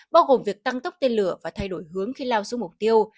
bao gồm việc tăng tốc tên lửa và thay đổi hướng khi lao xuống mục tiêu